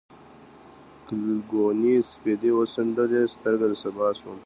ګلګونې سپېدې وڅنډلې، سترګه د سبا شوم